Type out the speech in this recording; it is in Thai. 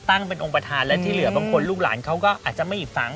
ตั้งเป็นองค์ประธานและที่เหลือบางคนลูกหลานเขาก็อาจจะไม่ฝัง